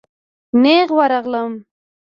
نېغ ورغلم.